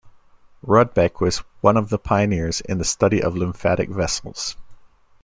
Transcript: Rudbeck was one of the pioneers in the study of lymphatic vessels.